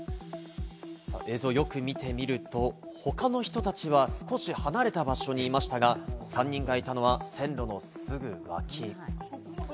映像をよく見てみると、他の人たちは少し離れた場所にいましたが、３人がいたのは線路のすぐ脇。